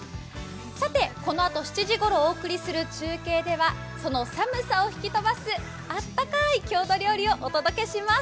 このあと７時ごろお送りする中継ではその寒さを吹き飛ばす暖かい郷土料理をお届けします。